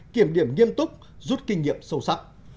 kiểm điểm nghiêm túc rút kinh nghiệm sâu sắc